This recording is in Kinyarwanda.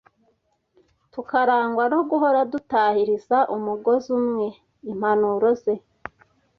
tukarangwa no guhora dutahiriza umugozi umwe Impanuro ze